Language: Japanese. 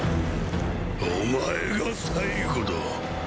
お前が最後だ。